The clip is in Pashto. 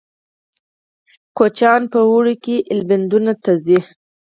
کوچیان په اوړي کې ایلبندونو ته ځي